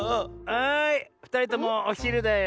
はいふたりともおひるだよ。